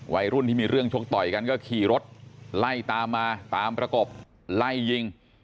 วัยรุ่นที่มีเรื่องชกต่อยกันก็ขี่รถไล่ตามมาตามประกบไล่ยิง